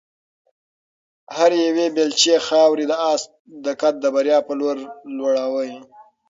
هرې یوې بیلچې خاورې د آس قد د بریا په لور لوړاوه.